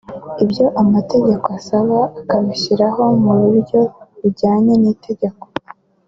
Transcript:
ibyo amategeko asaba akabishyiraho mu buryo bujyanye n’itegeko